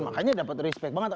makanya dapet respect banget